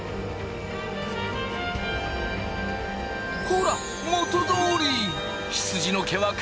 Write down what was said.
ほら元どおり！